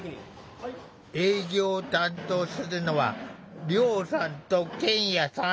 営業を担当するのは亮さんと健也さん。